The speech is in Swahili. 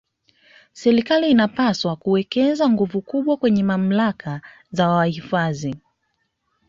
serikali inapaswa kuwekeza nguvu kubwa kwenye mamlaka za uhifadhi